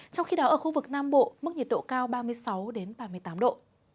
trong khi đó ở khu vực nam bộ mức nhiệt độ cao ba mươi sáu ba mươi tám độ